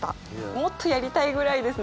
もっとやりたいぐらいですね！